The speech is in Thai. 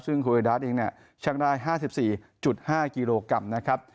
ซึ่งคูเวด้าเองช่างได้๕๔๕กิโลกรัมนะครับ